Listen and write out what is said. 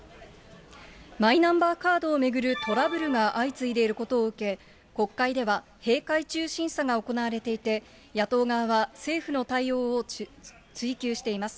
マイナンバーカードを巡るトラブルが相次いでいることを受け、国会では閉会中審査が行われていて、野党側は政府の対応を追及しています。